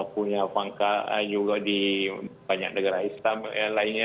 punya pangka juga di banyak negara islam lainnya